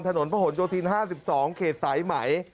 ถนนพระหลโยธิน๕๒เขตสายไหม